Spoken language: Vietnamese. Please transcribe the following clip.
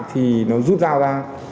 thì nó rút dao ra